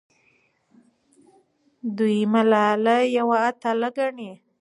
دوی ملالۍ یوه اتله ګڼي.